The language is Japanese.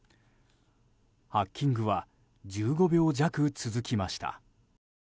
ハッキングは１５秒弱続きました。